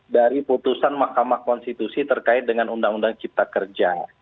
dari putusan mahkamah konstitusi terkait dengan undang undang cipta kerja